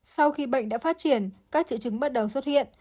sau khi bệnh đã phát triển các triệu chứng bắt đầu xuất hiện